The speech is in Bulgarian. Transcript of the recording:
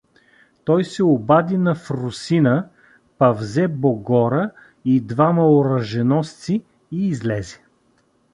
Той се обади на Фросина, па взе Богора и двама оръженосци и излезе.